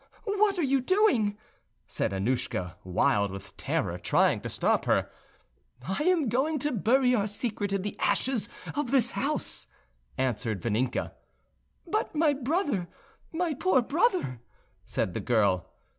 "What are you doing?" said Annouschka, wild with terror, trying to stop her. "I am going to bury our secret in the ashes of this house," answered Vaninka. "But my brother, my poor brother!" said the girl.